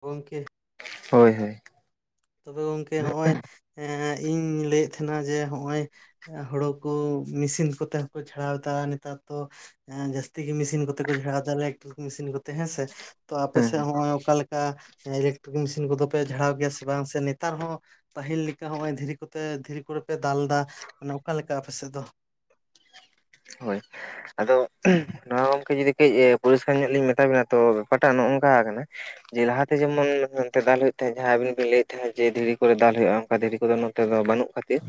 ᱜᱚᱝᱠᱮ, ᱦᱳᱭ ᱦᱳᱭ᱾ ᱛᱚᱵᱮ ᱜᱚᱝᱠᱮ ᱦᱚᱸᱜᱼᱚᱭ ᱮ ᱤᱧ ᱞᱟᱹᱭᱮᱫ ᱛᱟᱦᱮᱱᱟ ᱡᱮ ᱦᱚᱸᱜᱼᱚᱭ, ᱦᱳᱲᱳ ᱠᱚ ᱢᱮᱥᱤᱱ ᱠᱚᱛᱮ ᱦᱚᱸᱠᱚ ᱪᱷᱟᱲᱟᱣ ᱫᱟ ᱱᱮᱛᱟᱨ ᱫᱚ ᱮᱸ ᱡᱟᱹᱥᱛᱤ, ᱢᱮᱥᱤᱱ ᱠᱚᱛᱮ ᱠᱚ ᱡᱟᱲᱟᱣ ᱛᱟᱞᱮ ᱮᱠᱴᱩ ᱢᱮᱥᱤᱱ ᱠᱚᱛᱮ ᱦᱮᱸ ᱥᱮ᱾ ᱛᱚ ᱟᱯᱮ ᱦᱮᱸ ᱥᱮᱜ ᱦᱮᱸ ᱦᱚᱸᱜᱼᱚᱭ ᱚᱠᱟ ᱞᱮᱠᱟ ᱤᱞᱮᱠᱴᱨᱤᱠ ᱢᱮᱥᱤᱱ ᱠᱚᱫᱚ ᱯᱮ ᱡᱷᱟᱲᱟᱣ ᱜᱮᱭᱟ ᱥᱮ ᱵᱟᱝ ᱥᱮ ᱱᱮᱛᱟᱨ ᱦᱚᱸ, ᱯᱟᱹᱦᱤᱞ ᱞᱮᱠᱟ ᱦᱚᱸᱜ ᱚᱭ ᱫᱷᱤᱨᱤ ᱠᱚᱛᱮ ᱫᱷᱤᱨᱤ ᱠᱚᱨᱮ ᱯᱮ ᱫᱟᱞ ᱮᱹᱫᱟ ᱢᱟᱱᱮ ᱚᱠᱟ ᱞᱮᱠᱟ ᱟᱯᱮᱥᱮᱫ ᱫᱚ? ᱦᱳᱭ᱾ ᱟᱫᱚ ᱱᱚᱣᱟ ᱜᱚᱝᱠᱮ ᱡᱚᱫᱤ ᱠᱤ ᱤᱭᱟᱹ ᱯᱚᱨᱤᱥᱠᱟᱨ ᱧᱚᱜ ᱞᱤᱧ ᱢᱮᱛᱟ ᱵᱤᱱᱟ ᱛᱚ ᱵᱮᱯᱟᱨᱴᱟᱜ ᱱᱚᱜ ᱱᱚᱝᱠᱟ ᱠᱟᱱᱟ᱾ ᱡᱮ ᱞᱟᱦᱟᱛᱮ ᱡᱮᱢᱚᱱ [unintelligible] ᱫᱟᱞ ᱦᱩᱭᱩᱜ ᱛᱟᱦᱮᱸᱜ ᱡᱟᱦᱟᱸ ᱟᱵᱤᱱ ᱵᱤᱱ ᱞᱟᱹᱭᱮᱫ ᱛᱟᱦᱮᱸᱫ ᱡᱮ ᱫᱷᱤᱨᱤ ᱠᱚᱨᱮ ᱫᱟᱞ ᱦᱩᱭᱩᱜᱼᱟ ᱚᱱᱠᱟ ᱫᱷᱤᱨᱤ ᱠᱚᱫᱚ ᱱᱚᱛᱮ ᱫᱚ ᱵᱟᱹᱱᱩᱜ ᱠᱷᱟᱹᱛᱤᱨ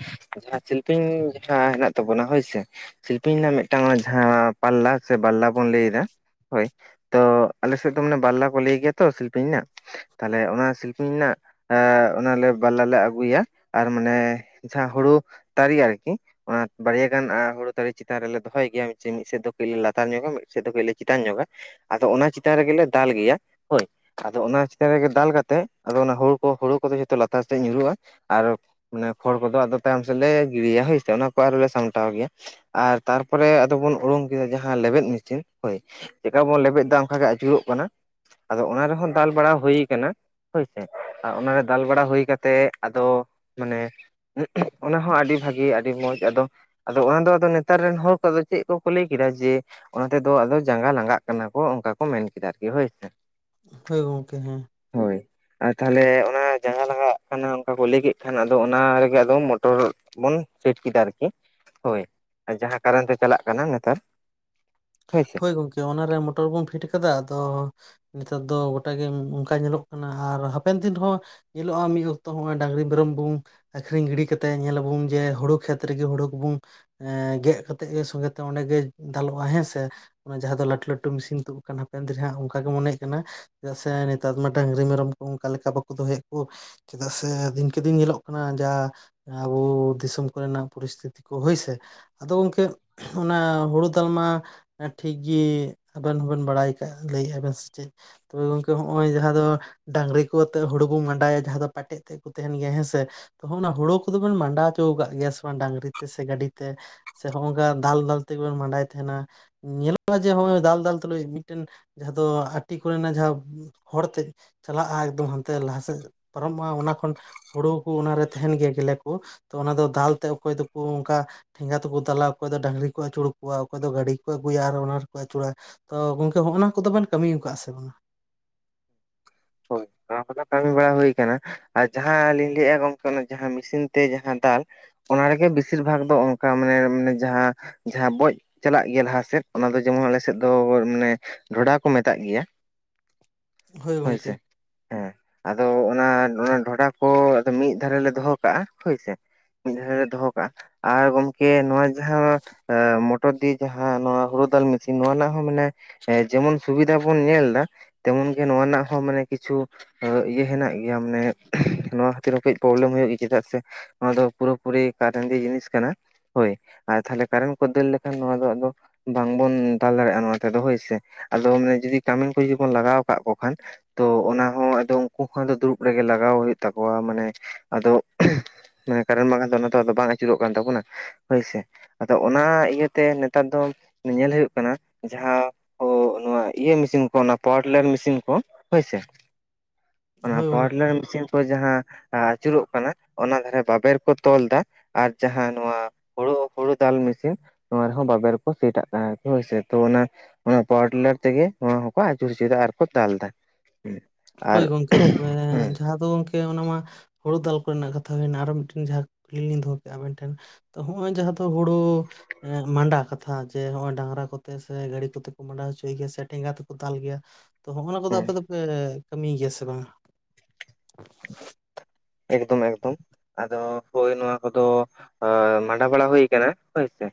ᱡᱟᱦᱟᱸ ᱥᱤᱞᱯᱤᱧ ᱡᱟᱦᱟᱸ ᱦᱮᱱᱟᱜ ᱛᱟᱵᱚᱱᱟ ᱦᱳᱭᱥᱮ ᱥᱤᱞᱯᱤᱧ ᱨᱮᱱᱟᱜ ᱢᱤᱫᱴᱟᱝ ᱡᱟᱦᱟᱸ ᱯᱟᱞᱞᱟ ᱥᱮ ᱵᱟᱞᱞᱟ ᱵᱚᱱ ᱞᱟᱹᱭ ᱮᱫᱟ, ᱦᱳᱭ ᱛᱚ ᱟᱞᱮᱥᱮᱫ ᱫᱚ ᱢᱟᱱᱮ ᱵᱟᱞᱞᱟ ᱠᱚ ᱞᱟᱹᱭ ᱜᱮᱭᱟ ᱛᱚ ᱥᱤᱞᱯᱤᱧ ᱨᱮᱱᱟᱜ ᱛᱟᱦᱞᱮ ᱚᱱᱟ ᱥᱤᱞᱯᱤᱧ ᱨᱮᱱᱟᱜ ᱮᱻ ᱚᱱᱟᱞᱮ ᱵᱟᱞᱞᱟ ᱞᱮ ᱟᱹᱜᱩᱭᱟ ᱟᱨ ᱢᱟᱱᱮ, ᱡᱟᱦᱟᱸ ᱦᱩᱲᱩ ᱛᱟᱨᱮ ᱟᱨᱠᱤ ᱚᱱᱟ ᱵᱟᱨᱭᱟ ᱜᱟᱱ ᱦᱩᱲᱩ ᱛᱟᱨᱤ ᱪᱮᱛᱟᱱ ᱨᱮᱞᱮ ᱫᱚᱦᱚᱭ ᱜᱮᱭᱟ ᱢᱤᱫ ᱥᱮᱫ ᱫᱚ ᱠᱟᱹᱡ ᱞᱮ ᱞᱟᱛᱟᱨ ᱧᱚᱜᱟ ᱢᱤᱫ ᱥᱮᱫ ᱫᱚ ᱠᱟᱹᱡ ᱞᱮ ᱪᱮᱛᱟᱱ ᱧᱚᱜᱟ ᱾ ᱟᱫᱚ ᱚᱱᱟ ᱪᱮᱛᱟᱱ ᱨᱮᱜᱮᱞᱮ ᱫᱟᱞ ᱜᱮᱭᱟ ᱦᱳᱭ ᱾ ᱟᱫᱚ ᱚᱱᱟ ᱪᱮᱛᱟᱱ ᱨᱮᱜᱮ ᱫᱟᱞ ᱠᱟᱛᱮᱫ ᱟᱫᱚ ᱦᱩᱲᱩ ᱠᱚ ᱦᱩᱲᱩ ᱠᱚᱫᱚ ᱡᱚᱛᱚ ᱞᱟᱛᱟᱨ ᱥᱮᱫ ᱧᱩᱨᱩᱜᱼᱟ ᱟᱨ ᱢᱟᱱᱮ ᱠᱷᱚᱲ ᱠᱚᱫᱚ ᱟᱫᱚ ᱛᱟᱭᱚᱢ ᱥᱮᱫᱞᱮ ᱜᱤᱲᱤᱭᱟ ᱦᱳᱭᱥᱮ ᱚᱱᱟ ᱠᱚ ᱟᱨ ᱞᱮ ᱥᱟᱢᱴᱟᱣ ᱜᱮᱭᱟ ᱾ ᱟᱨ ᱛᱟᱨᱯᱚᱨᱮ ᱟᱫᱚᱵᱚᱱ ᱩᱲᱩᱝ ᱠᱮᱫᱟ ᱡᱟᱦᱟᱸ ᱞᱮᱵᱮᱫ ᱢᱮᱥᱤᱱ ᱦᱳᱭ, ᱪᱮᱠᱟᱵᱚᱱ ᱞᱮᱵᱮᱫ ᱮᱫᱟ ᱚᱱᱠᱟᱜᱮ ᱟᱹᱪᱩᱨᱚᱜ ᱠᱟᱱᱟ ᱟᱫᱚ ᱚᱱᱟ ᱨᱮᱦᱚᱸ ᱫᱟᱞ ᱵᱟᱲᱟ ᱦᱩᱭ ᱟᱠᱟᱱᱟ ᱾ ᱦᱳᱭᱥᱮ ᱚᱱᱟᱨᱮ ᱫᱟᱞ ᱵᱟᱲᱟ ᱦᱩᱭ ᱠᱟᱛᱮᱜ ᱟᱫᱚ ᱢᱟᱱᱮ, ᱚᱱᱟ ᱦᱚᱸ ᱟᱹᱰᱤ ᱵᱷᱟᱹᱜᱤ ᱟᱹᱰᱤ ᱢᱚᱸᱡᱽ ᱟᱫᱚ, ᱟᱫᱚ ᱚᱱᱟ ᱫᱚ ᱟᱫᱚ ᱱᱤᱛ ᱱᱮᱛᱟᱨ ᱨᱮᱱ ᱦᱚᱲ ᱠᱚᱫᱚ ᱪᱮᱫ ᱠᱚᱠᱚ ᱞᱟᱹᱭ ᱠᱮᱫᱟ ᱡᱮ, ᱚᱱᱟ ᱛᱮᱫᱚ ᱟᱫᱚ ᱡᱟᱸᱜᱟ ᱞᱟᱸᱜᱟᱜ ᱠᱟᱱᱟ ᱠᱚ ᱚᱱᱠᱟ ᱠᱚ ᱢᱮᱱ ᱠᱮᱫᱟ ᱟᱨᱠᱤ ᱦᱳᱭᱥᱮ, ᱦᱳᱭ ᱜᱚᱢᱠᱮ ᱦᱮᱸ ᱾ ᱦᱳᱭ ᱟᱨ ᱛᱟᱦᱚᱞᱮ ᱚᱱᱟ ᱡᱟᱸᱜᱟ ᱞᱟᱜᱟᱜ ᱠᱟᱱᱟ ᱚᱱᱠᱟ ᱠᱚ ᱞᱟᱹᱭ ᱠᱮᱫ ᱮᱠᱷᱟᱱ ᱟᱫᱚ ᱚᱱᱟ ᱨᱮᱜᱮ ᱟᱫᱚ ᱢᱚᱴᱚᱨ ᱵᱚᱱ ᱯᱷᱤᱴ ᱠᱮᱫᱟ ᱟᱨᱠᱤ ᱦᱳᱭ ᱾ ᱡᱟᱦᱟᱸ ᱠᱟᱨᱚᱱ ᱛᱮ ᱪᱟᱞᱟᱜ ᱠᱟᱱᱟ ᱱᱮᱛᱟᱨ, ᱦᱳᱭᱥᱮ ᱦᱳᱭ ᱜᱚᱝᱠᱮ ᱚᱱᱟᱨᱮ ᱢᱚᱴᱚᱨ ᱵᱚᱱ ᱯᱷᱤᱴ ᱠᱟᱫᱟ ᱟᱫᱚ, ᱱᱮᱛᱟᱨ ᱫᱚ ᱜᱚᱴᱟᱜᱮ ᱚᱱᱠᱟ ᱧᱮᱞᱚᱜ ᱠᱟᱱᱟ ᱟᱨ ᱦᱟᱯᱮᱱ ᱫᱤᱱ ᱦᱚᱸ ᱧᱮᱞᱚᱜᱼᱟ ᱢᱤᱫ ᱚᱠᱛᱚ ᱦᱚᱸᱜᱼᱚᱭ ᱰᱟᱝᱨᱤ ᱢᱮᱨᱚᱢ ᱵᱚᱱ ᱟᱹᱠᱷᱨᱤᱧ ᱜᱤᱰᱤ ᱠᱟᱛᱮᱫ ᱧᱮᱞ ᱟᱵᱚᱱ ᱡᱮ ᱦᱳᱲᱳ ᱠᱷᱮᱛ ᱨᱮᱜᱮ ᱦᱩᱲᱩ ᱠᱚᱵᱚᱱ ᱮ ᱜᱮᱫ ᱠᱟᱛᱮᱜ ᱜᱮ ᱥᱚᱸᱜᱮᱛᱮ ᱚᱸᱰᱮᱜᱮ ᱫᱟᱞᱚᱜᱼᱟ ᱦᱮᱸ ᱥᱮ ᱾ ᱚᱱᱟ ᱡᱟᱦᱟᱸ ᱫᱚ ᱞᱟᱹᱴᱩ ᱞᱟᱹᱴᱩ ᱢᱮᱥᱤᱱ ᱛᱩᱫ ᱟᱠᱟᱱᱟ ᱦᱟᱯᱮᱱ ᱫᱤᱱ ᱨᱮ ᱦᱟᱸᱜ ᱚᱱᱠᱟᱜᱮ ᱢᱚᱱᱮᱜ ᱠᱟᱱᱟ ᱾ ᱪᱮᱫᱟᱜ ᱥᱮ ᱱᱮᱛᱟᱨ ᱢᱟ ᱰᱟᱝᱨᱤ ᱢᱮᱨᱚᱢ ᱠᱚ ᱚᱱᱠᱟ ᱞᱮᱠᱟ ᱵᱟᱠᱚ ᱫᱚᱦᱚᱭᱮᱫ ᱠᱚ ᱾ ᱪᱮᱫᱟᱜ ᱥᱮ ᱫᱤᱱᱠᱮ ᱫᱤᱱ ᱧᱮᱞᱚᱜ ᱠᱟᱱᱟ ᱡᱟ ᱟᱵᱚ ᱫᱤᱥᱚᱢ ᱠᱚᱨᱮᱱᱟᱜ ᱯᱚᱨᱤᱥᱛᱷᱤᱛᱤ ᱠᱚ ᱦᱳᱭᱥᱮ ᱟᱫᱚ ᱜᱚᱢᱠᱮ ᱚᱱᱟ ᱦᱳᱲᱳ ᱫᱟᱞ ᱢᱟ ᱴᱷᱤᱠᱜᱮ ᱟᱵᱮᱱ ᱦᱚᱸᱵᱮᱱ ᱵᱟᱲᱟᱭ ᱠᱟᱜ ᱞᱟᱹᱭᱮᱫᱼᱟ ᱵᱮᱱ ᱥᱮ ᱪᱮᱫ ᱛᱚᱵᱮ ᱜᱚᱝᱠᱮ ᱦᱚᱸᱜᱼᱚᱭ ᱡᱟᱦᱟᱸ ᱫᱚ ᱰᱟᱝᱨᱤ ᱠᱚ ᱟᱛᱮᱫ ᱦᱩᱲᱩ ᱵᱚ ᱢᱟᱸᱰᱟᱭᱟ ᱡᱟᱦᱟᱸ ᱫᱚ ᱯᱟᱴᱮᱡ ᱛᱮᱫ ᱠᱚ ᱛᱟᱦᱮᱱ ᱜᱮᱭᱟ ᱦᱮᱸ ᱥᱮ ᱾ ᱛᱚ ᱚᱱᱟ ᱦᱳᱲᱳ ᱠᱚᱫᱚᱵᱚᱱ ᱢᱟᱸᱰᱟ ᱦᱚᱪᱚ ᱠᱟᱜ ᱜᱮᱭᱟ ᱥᱮ ᱵᱟᱝ ᱰᱟᱝᱨᱤ ᱛᱮ ᱥᱮ ᱜᱟᱹᱰᱤ ᱛᱮ? ᱥᱮ ᱦᱚᱸᱜᱼᱚ ᱱᱚᱝᱠᱟ ᱫᱟᱞ ᱫᱟᱞ ᱛᱮᱜᱮᱵᱚᱱ ᱢᱟᱰᱟᱭ ᱛᱟᱦᱮᱱᱟ ᱾ ᱧᱮᱞᱚᱜᱼᱟ ᱡᱮ ᱦᱚᱜᱼᱚᱭ ᱫᱟᱞ ᱫᱟᱞ ᱛᱩᱞᱩᱡ ᱢᱤᱫ ᱴᱮᱱ ᱡᱟᱦᱟᱸ ᱫᱚ ᱟᱴᱤ ᱠᱚ ᱨᱮᱱᱟᱜ ᱡᱟᱦᱟᱸ ᱦᱚᱲ ᱛᱮᱜ ᱪᱟᱞᱟᱜᱼᱟ ᱮᱠᱫᱚᱢ ᱦᱟᱱ ᱛᱮ ᱞᱟᱦᱟ ᱥᱮᱜ ᱯᱟᱨᱚᱢᱚᱜᱼᱟ ᱚᱱᱟ ᱠᱷᱚᱱ ᱦᱳᱲᱳ ᱠᱚ ᱚᱱᱟ ᱨᱮ ᱛᱟᱦᱮᱦᱱ ᱜᱮᱭᱟ ᱜᱮᱞᱮ ᱠᱳ ᱛᱚ ᱚᱱᱟ ᱫᱚ ᱫᱟᱞᱛᱮ ᱚᱠᱚᱭ ᱫᱚᱠᱚ ᱚᱝᱠᱟ ᱴᱷᱮᱸᱜᱟ ᱛᱮᱠᱚ ᱫᱟᱞᱟ ᱚᱠᱚᱭ ᱫᱚ ᱰᱟᱝᱨᱤ ᱠᱚ ᱟᱹᱪᱩᱲ ᱠᱚᱣᱟ ᱚᱠᱚᱭ ᱫᱚ ᱜᱟᱹᱰᱤ ᱠᱚ ᱟᱹᱜᱩᱭᱟ ᱟᱨ ᱚᱱᱟ ᱨᱮᱠᱚ ᱟᱹᱪᱩᱲᱟ ᱛᱚ ᱜᱚᱝᱠᱮ ᱦᱚᱸᱜ ᱱᱟ ᱠᱚᱫᱚ ᱵᱮᱱ ᱠᱟᱹᱢᱤᱭᱟ ᱠᱟᱜᱼᱟ ᱥᱮ ᱵᱟᱝ? ᱦᱳᱭ ᱱᱚᱣᱟ ᱠᱚ ᱫᱚ ᱠᱟᱹᱢᱤ ᱵᱟᱲᱟ ᱦᱩᱭ ᱟᱠᱟᱱᱟ᱾ ᱟᱨ ᱡᱟᱦᱟᱸ ᱞᱤᱧ ᱞᱟᱹᱭᱮᱫᱼᱟ ᱜᱚᱝᱠᱮ ᱚᱱᱟ ᱡᱟᱦᱟᱸ ᱢᱤᱥᱤᱱ ᱛᱮ ᱡᱟᱦᱟᱸ ᱫᱟᱞ ᱚᱱᱟ ᱨᱮᱜᱮ ᱵᱮᱥᱤᱨ ᱵᱷᱟᱜᱽ ᱫᱚ ᱚᱱᱠᱟ ᱢᱟᱱᱮ ᱡᱟᱦᱟᱸ ᱡᱟᱦᱟᱸ ᱵᱚᱡ ᱪᱟᱞᱟᱜ ᱜᱮᱭᱟ ᱞᱟᱦᱟ ᱥᱮᱫ ᱚᱱᱟ ᱫᱚ ᱡᱮᱢᱚᱱ ᱟᱞᱮ ᱥᱮᱫ ᱫᱚ ᱢᱟᱱᱮ ᱰᱷᱚᱰᱟ ᱠᱚ ᱢᱮᱛᱟᱜ ᱜᱮᱭᱟ᱾ ᱦᱳᱭ ᱥᱮ ᱦᱮᱸ ᱟᱫᱚ ᱚᱱᱟ ᱚᱱᱟ ᱰᱷᱚᱰᱟ ᱠᱚ ᱢᱤᱫ ᱫᱷᱟᱨᱮᱞᱮ ᱫᱚᱦᱚ ᱠᱟᱜ-ᱟ ᱦᱳᱭ ᱥᱮ᱾ ᱢᱤᱫ ᱫᱷᱟᱨᱮ ᱨᱮ ᱫᱚᱦᱚ ᱠᱟᱜ-ᱟ ᱟᱨ ᱜᱚᱢᱠᱮ ᱱᱚᱣᱟ ᱡᱟᱦᱟᱸ ᱮᱸ, ᱢᱚᱴᱚᱨ ᱫᱤᱭᱮ ᱡᱟᱦᱟᱸ ᱱᱚᱣᱟ ᱦᱩᱲᱩ ᱫᱟᱞ ᱢᱤᱥᱤᱱ ᱱᱚᱣᱟ ᱨᱮᱱᱟᱜ ᱦᱚᱸ ᱢᱟᱱᱮ ᱦᱮᱸ, ᱡᱮᱢᱚᱱ ᱥᱩᱵᱤᱫᱷᱟ ᱵᱚᱱ ᱧᱮᱞᱫᱟ ᱛᱮᱢᱚᱱᱜᱮ ᱱᱚᱣᱟ ᱨᱮᱱᱟᱜ ᱦᱚᱸ ᱢᱟᱱᱮ ᱠᱤᱪᱷᱩ ᱤᱭᱟᱹ ᱦᱮᱱᱟᱜ ᱜᱮᱭᱟ, ᱢᱟᱱᱮ ᱱᱚᱣᱟ ᱠᱷᱟᱹᱛᱤᱨ ᱦᱚᱸ ᱠᱟᱺᱡ ᱯᱨᱚᱵᱮᱞᱮᱢ ᱦᱩᱭᱩᱜ ᱜᱮᱭᱟ᱾ ᱪᱮᱫᱟᱜ ᱥᱮ ᱱᱚᱣᱟ ᱫᱚ ᱯᱩᱨᱟᱹ ᱯᱩᱨᱤ ᱠᱟᱨᱮᱱ ᱫᱤᱭᱮ ᱡᱤᱱᱤᱥ ᱠᱟᱱᱟ᱾ ᱦᱳᱭ ᱟᱨ ᱛᱟᱦᱞᱮ ᱠᱟᱨᱮᱱ ᱠᱚ ᱫᱟᱹᱲ ᱞᱮᱠᱷᱟᱱ ᱱᱚᱣᱟ ᱫᱚ ᱟᱫᱚ ᱵᱟᱝ ᱵᱚᱱ ᱫᱟᱞ ᱫᱟᱲᱮᱭᱟᱜ-ᱟ ᱱᱚᱣᱟ ᱛᱮᱫᱚ ᱦᱳᱭ ᱥᱮ ᱟᱫᱚ ᱢᱟᱱᱮ ᱡᱩᱫᱤ ᱠᱟᱹᱢᱤᱱ ᱠᱚ ᱡᱩᱫᱤ ᱵᱚᱱ ᱞᱟᱜᱟᱣ ᱠᱟᱜ ᱠᱚ ᱠᱷᱟᱱ ᱛᱚ, ᱚᱱᱟ ᱦᱚᱸ ᱟᱫᱚ ᱩᱝᱠᱩ ᱦᱚᱸ ᱫᱩᱲᱩᱵ ᱨᱮᱜᱮ ᱞᱟᱜᱟᱣ ᱦᱩᱭᱩᱜ ᱛᱟᱠᱚᱣᱟ ᱢᱟᱱᱮ ᱟᱫᱚ ᱢᱟᱱᱮ ᱠᱟᱨᱮᱱ ᱵᱟᱝ ᱠᱟᱱ ᱫᱚ ᱛᱚ ᱵᱟᱝ ᱟᱹᱪᱩᱨᱚᱜ ᱠᱟᱱ ᱛᱟᱵᱚᱱᱟ ᱦᱳᱭ ᱥᱮ᱾ ᱟᱫᱚ ᱚᱱᱟ ᱤᱭᱟᱹᱛᱮ ᱱᱮᱛᱟᱨ ᱫᱚ ᱧᱮᱞ ᱦᱩᱭᱩᱜ ᱠᱟᱱᱟ ᱡᱟᱦᱟᱸ ᱠᱚ ᱱᱚᱣᱟ ᱤᱭᱟᱹ ᱢᱮᱥᱤᱱ ᱠᱚ ᱚᱱᱟ ᱯᱟᱣᱟᱨ ᱴᱤᱞᱟᱨ ᱢᱤᱥᱤᱱ ᱠᱚ ᱦᱳᱭ ᱥᱮ᱾ ᱚᱱᱟ ᱦᱳᱭ ᱯᱟᱣᱟᱨ ᱜᱚᱝᱠᱮ ᱴᱤᱞᱟᱨ ᱢᱤᱥᱤᱱ ᱠᱚ ᱡᱟᱦᱟᱸ ᱟᱟᱹᱪᱩᱨᱚᱜ ᱠᱟᱱᱟ ᱚᱱᱟ ᱫᱷᱟᱨᱮ ᱵᱟᱵᱮᱨ ᱠᱚ ᱛᱚᱞᱫᱟ᱾ ᱟᱨ ᱡᱟᱦᱟᱸ ᱱᱚᱣᱟ ᱦᱳᱲᱳ, ᱦᱳᱲᱳ ᱫᱟᱞ ᱢᱤᱥᱤᱱ ᱱᱚᱣᱟ ᱨᱮᱦᱚᱸ ᱵᱟᱵᱮᱨ ᱠᱚ ᱥᱮᱴᱟᱜ ᱠᱟᱱᱟ ᱦᱳᱭᱥᱮ ᱛᱚ ᱚᱱᱟ ᱚᱱᱟ ᱯᱟᱣᱟᱨ ᱴᱤᱞᱟᱨ ᱛᱮ ᱜᱮ ᱱᱚᱣᱟ ᱦᱚᱸᱠᱚ ᱟᱹᱪᱩᱨ ᱦᱚᱪᱚᱭ ᱫᱟ ᱟᱨ ᱠᱚ ᱫᱟᱞᱫᱟ᱾ ᱦᱮᱸ ᱦᱳᱭ ᱜᱚᱝᱠᱮ ᱛᱚᱵᱮ ᱡᱟᱦᱟᱸ ᱫᱚ ᱜᱚᱝᱠᱮ ᱚᱱᱟ ᱢᱟ ᱦᱩᱲᱩ ᱫᱟᱞ ᱠᱚ ᱨᱮᱱᱟᱜ ᱠᱟᱛᱷᱟ ᱦᱩᱭᱱᱟ ᱟᱨᱚ ᱢᱤᱫᱴᱮᱱ ᱡᱟᱦᱟᱸ ᱠᱩᱞᱤ ᱞᱤᱧ ᱫᱚ ᱦᱚ ᱠᱮᱜ-ᱟ ᱟᱵᱮᱱ ᱴᱷᱮᱱ, ᱛᱚ ᱦᱚᱸᱜ-ᱚᱭ ᱡᱟᱦᱟᱸ ᱫᱚ ᱛᱚ, ᱦᱩᱲᱩ ᱢᱟᱸᱰᱟ ᱠᱟ ᱠᱟᱛᱷᱟ ᱡᱮ ᱦᱚᱸᱜ-ᱚᱭ ᱰᱟᱝᱨᱟ ᱠᱚᱛᱮ ᱥᱮ ᱜᱟᱹᱲᱤ ᱠᱚᱛᱮ ᱠᱚ ᱢᱟᱸᱰᱟ ᱦᱚᱪᱚᱭ ᱜᱮᱭᱟ ᱥᱮ ᱴᱷᱮᱸᱜᱟ ᱛᱮᱠᱚ ᱫᱟᱞ ᱜᱮᱭᱟ᱾ ᱛᱚ ᱦᱚᱸᱜ-ᱱᱟ ᱠᱚ ᱫᱚ ᱦᱮᱸ ᱟᱯᱮ ᱫᱚ ᱯᱮ ᱠᱟᱹᱢᱤᱭ ᱜᱤᱭᱟ ᱥᱮ ᱵᱟᱝ? ᱮᱠᱫᱚᱢ ᱮᱠᱫᱚᱢ, ᱟᱫᱚ ᱦᱳᱭ ᱱᱚᱣᱟ ᱠᱚ ᱫᱚ ᱮᱸ ᱮᱸ, ᱢᱟᱸᱰᱟ ᱵᱟᱲᱟ ᱦᱩᱭ ᱠᱟᱱᱟ ᱦᱳᱭ ᱥᱮ᱾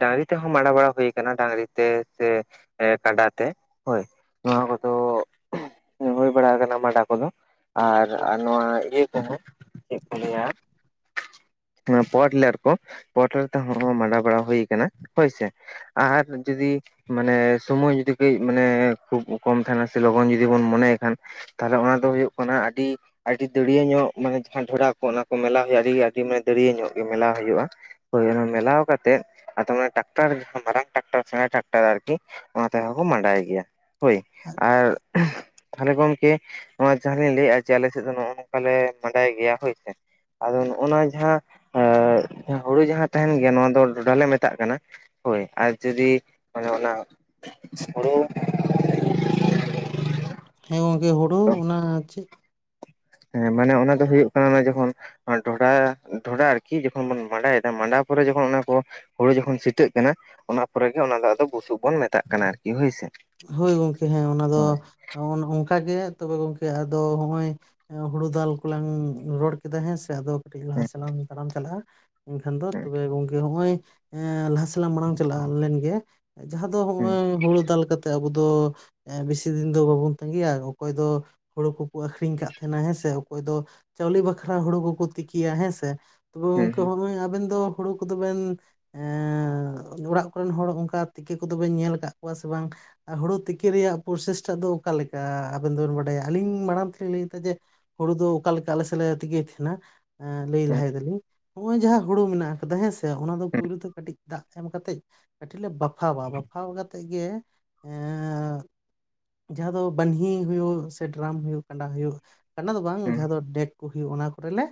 ᱰᱟᱹᱝᱨᱤ ᱛᱮ ᱦᱚᱸ ᱢᱟᱸᱰᱟ ᱵᱟᱲᱟ ᱦᱩᱭ ᱠᱟᱱᱟ ᱰᱟᱹᱝᱨᱤ ᱛᱮ ᱥᱮ ᱠᱟᱰᱟ ᱛᱮ ᱦᱳᱭ᱾ ᱱᱚᱣᱟ ᱠᱚᱫᱚ ᱦᱩᱭ ᱵᱟᱲ ᱠᱟᱱᱟ ᱢᱟᱸᱰᱟ ᱠᱚ ᱫᱚ ᱟᱨ ᱱᱚᱣᱟ ᱤᱭᱟᱹ᱾ ᱛᱟᱦᱮᱸᱫ, ᱪᱮᱫ ᱠᱚ ᱞᱟᱹᱭᱟ ᱱᱚᱣᱟ ᱯᱟᱣᱟᱨᱴᱤᱞᱟᱨ ᱠᱚ, ᱯᱟᱣᱟᱨᱴᱤᱞᱟᱨ ᱛᱮ ᱦᱚᱸ ᱢᱟᱸᱰᱟ ᱵᱟᱲᱟ ᱦᱩᱭ ᱠᱟᱱᱟ ᱦᱳᱭ ᱥᱮ᱾ ᱟᱨ ᱡᱩᱫᱤ ᱢᱟᱱᱮ ᱥᱳᱢᱳᱭ ᱡᱩᱫᱤ ᱠᱟᱺᱡ ᱢᱟᱱᱮ ᱠᱷᱩᱵ ᱠᱚᱢ ᱛᱟᱸᱦᱮᱱᱟ ᱥᱮ ᱞᱚᱜᱚᱱ ᱡᱩᱫᱤ ᱵᱚᱱ ᱢᱚᱱᱮᱭ ᱠᱷᱟᱱ᱾ ᱛᱟᱦᱞᱮ ᱚᱱᱟ ᱫᱚ ᱦᱩᱩᱜ ᱠᱟᱱᱟ ᱟᱹᱰᱤ ᱟᱹᱰᱤ ᱫᱟᱹᱲᱭᱟᱹ ᱧᱚᱜ ᱢᱟᱱᱮ ᱡᱟᱦᱟᱸ ᱰᱷᱮᱨᱟ ᱠᱚ ᱚᱱᱟ ᱠᱚ ᱢᱮᱞᱟᱣ ᱦᱩᱭᱩᱜ-ᱟ ᱟᱹᱰᱤ ᱟᱹᱰᱤ ᱢᱟᱱᱮ ᱫᱟᱹᱨᱭᱟᱹ ᱧᱚᱜ ᱜᱮ ᱢᱮᱞᱟᱣ ᱦᱩᱭᱩᱜ-ᱟ᱾ ᱦᱳᱭ ᱚᱱᱟ ᱢᱮᱞᱟᱣ ᱠᱟᱛᱮᱫ ᱟᱫᱚ ᱚᱱᱮ ᱴᱟᱠᱴᱟᱨ ᱢᱟᱨᱟᱝ ᱴᱨᱟᱠᱴᱟᱨ ᱥᱮᱬᱟ ᱴᱟᱠᱴᱟᱨ ᱟᱨᱠᱤ ᱚᱱᱟ ᱛᱮᱦᱚᱸᱠᱚ ᱢᱟᱸᱰᱟᱭ ᱜᱮᱭᱟ ᱦᱳᱭ ᱟᱨ ᱛᱟᱦᱞᱮ ᱜᱚᱝᱠᱮ ᱱᱚᱣᱟ ᱡᱟᱦᱟᱸ ᱞᱤᱧ ᱞᱟᱹᱭᱮᱜ-ᱟ ᱡᱮ ᱟᱞᱮ ᱥᱮᱫ ᱫᱚ ᱱᱚᱜ-ᱚ ᱱᱚᱝᱠᱟ ᱞᱮ ᱢᱟᱸᱰᱟᱭ ᱜᱮᱭᱟ ᱦᱳᱭ ᱥᱮ᱾ ᱟᱫᱚ ᱱᱚᱜ-ᱚ ᱱᱚᱣᱟ ᱡᱟᱦᱟᱸ ᱮᱸ ᱦᱳᱲᱳ ᱡᱟᱦᱟᱸ ᱛᱟᱸᱦᱮᱱ ᱜᱮᱭᱟ ᱱᱚᱣᱟ ᱫᱚ ᱰᱚᱰᱷᱟ ᱞᱮ ᱢᱮᱛᱟᱜ ᱠᱟᱱᱟ᱾ ᱦᱳᱭ ᱟᱨ ᱡᱩᱫᱤ ᱚᱱᱮ ᱚᱱᱟ ᱦᱳᱲᱳ ᱦᱮᱸ ᱜᱚᱝᱠᱮ ᱦᱩᱲᱩ ᱚᱱᱟ ᱪᱮᱜ ᱦᱮᱸ ᱢᱟᱱᱮ ᱚᱱᱟ ᱫᱚ ᱦᱩᱭᱩᱜ ᱠᱟᱱᱟ ᱚᱱᱟ ᱡᱚᱠᱷᱚᱱ ᱰᱚᱰᱷᱟ, ᱰᱚᱰᱷᱟ ᱟᱨᱠᱤ ᱡᱚᱠᱷᱚᱱ ᱵᱚᱱ ᱢᱟᱸᱰᱟᱭᱮᱫᱟ ᱢᱟᱰᱟ ᱯᱚᱨᱮ ᱡᱚᱠᱷᱚᱱ ᱚᱱᱟ ᱠᱚ ᱦᱩᱲᱩ ᱡᱚᱠᱷᱚᱱ ᱥᱤᱴᱷᱟᱹᱜ ᱠᱟᱱᱟ ᱚᱱᱟ ᱯᱚᱨᱮᱜᱮ ᱚᱱᱟ ᱫᱚ ᱟᱫᱚ ᱵᱩᱥᱩᱵ ᱵᱚᱱ ᱢᱮᱛᱟᱜ ᱠᱟᱱᱟ ᱟᱨᱠᱤ ᱦᱳᱭ ᱥᱮ᱾ ᱦᱳᱭ ᱜᱚᱝᱠᱮ ᱦᱮᱸ ᱚᱱᱟ ᱫᱚ ᱦᱳᱭ ᱚᱝᱠᱟ ᱜᱮ ᱛᱚᱵᱮ ᱜᱚᱝᱠᱮ ᱟᱫᱚ ᱱᱚᱜ-ᱚᱭ ᱦᱩᱲᱩ ᱫᱟᱞ ᱠᱚᱞᱟᱝ ᱨᱚᱲ ᱠᱮᱫᱟ ᱦᱮᱸ ᱥᱮ ᱟᱫᱚ ᱠᱟᱹᱴᱤᱡ ᱞᱟᱦᱟ ᱦᱩᱸ ᱥᱮᱫ ᱞᱟᱝ ᱛᱟᱲᱟᱢ ᱪᱟᱞᱟᱜ-ᱟ, ᱮᱱᱠᱷᱟᱱ ᱫᱚ ᱛᱚᱵᱮ ᱜᱚᱝᱠᱮ ᱱᱚᱜ-ᱚᱭ [unintelligible] ᱫᱮᱞᱟ ᱢᱟᱲᱟᱝ ᱪᱟᱞᱟᱝ ᱞᱮᱱ ᱜᱮ, ᱡᱟᱦᱟᱸ ᱫᱚ ᱦᱩᱸ ᱱᱚᱜᱼᱚᱭ, ᱦᱳᱲᱳ ᱫᱟᱞ ᱠᱟᱛᱮᱜ, ᱟᱵᱚ ᱫᱚ ᱵᱮᱥᱤ ᱫᱤᱱ ᱫᱚ, ᱵᱟᱵᱚᱱ ᱛᱟᱸᱜᱤᱭᱟ ᱾ ᱚᱠᱚᱭ ᱫᱚ, ᱦᱳᱲᱳ ᱠᱚᱠᱚ, ᱟᱹᱠᱷᱨᱤᱧ ᱠᱟᱜ ᱛᱟᱦᱮᱱᱟ ᱾ ᱦᱮᱸ ᱥᱮ, ᱚᱠᱚᱭ ᱫᱚ ᱪᱟᱣᱞᱮ ᱵᱟᱠᱷᱨᱟ ᱦᱳᱲᱳ ᱠᱚᱠᱚ, ᱛᱤᱠᱤᱭᱟ ᱾ᱦᱮᱸ ᱥᱮ, ᱦᱩᱸ ᱦᱩᱸ [unintelligible] ᱟᱵᱮᱱ ᱫᱚ, ᱦᱳᱲᱳ ᱠᱚᱫᱚ ᱵᱮᱱ ᱮᱸ ᱚᱲᱟᱜ ᱠᱚᱨᱮᱱ ᱦᱚᱲ, ᱚᱱᱠᱟ ᱛᱮᱠᱮ ᱠᱚᱫᱚ ᱵᱮᱱ, ᱧᱮᱞ ᱟᱠᱟᱫ ᱠᱚᱣᱟ ᱥᱮ, ᱵᱟᱝ? ᱟ ᱦᱳᱲᱳ ᱛᱮᱠᱮ ᱨᱮᱭᱟᱜ, ᱯᱳᱨᱥᱮᱥ ᱴᱟᱜ ᱫᱚ, ᱚᱠᱟ ᱞᱮᱠᱟ ᱟᱵᱮᱱ, ᱫᱚᱵᱮᱱ ᱵᱟᱰᱟᱭᱟ ᱾ ᱟᱹᱞᱤᱧ ᱢᱟᱲᱟᱝ ᱛᱮᱞᱤᱧ ᱞᱟᱹᱭ ᱮᱫᱟ ᱡᱮ ᱦᱳᱲᱳ ᱫᱚ, ᱚᱠᱟ ᱞᱤᱠᱟ ᱟᱞᱮ ᱥᱮᱫ ᱞᱮ ᱛᱮᱠᱮᱭᱮᱫ ᱛᱟᱦᱮᱱᱟ ᱾ ᱞᱟᱹᱭ ᱦᱩᱸ ᱞᱟᱦᱟᱭ ᱮᱫᱟ ᱞᱤᱧ, ᱱᱚᱜ ᱚᱭ ᱡᱟᱦᱟᱸ ᱦᱳᱲᱳ ᱢᱮᱱᱟᱜ ᱟᱠᱟᱫᱟ, ᱦᱮᱸᱥᱮ ᱾ ᱚᱱᱟ ᱫᱚ ᱦᱩᱸ ᱯᱳᱭᱞᱳ ᱛᱮ, ᱠᱟᱹᱴᱤᱡ ᱫᱟᱜ ᱮᱢ ᱠᱟᱛᱮᱫ, ᱠᱟᱹᱴᱤᱡ ᱞᱮ ᱵᱟᱯᱷᱟᱣᱟ, ᱵᱟᱯᱷᱟᱣ ᱠᱟᱛᱮᱜ ᱜᱮ ᱮᱸᱻ ᱡᱟᱦᱟᱸ ᱫᱚ, ᱵᱟᱹᱱᱦᱤ ᱦᱳᱭᱳᱜ ᱥᱮ, ᱰᱨᱟᱢ ᱦᱳᱭᱳᱜ, ᱠᱟᱸᱰᱟ ᱦᱳᱭᱳᱜ ᱠᱟᱸᱰᱟ ᱫᱚ ᱵᱟᱝ, ᱦᱩᱸ ᱡᱟᱦᱟᱸ ᱫᱚ ᱰᱮᱠ ᱠᱚ ᱦᱩᱭᱩᱜ, ᱚᱱᱟ ᱠᱚᱨᱮ ᱞᱮ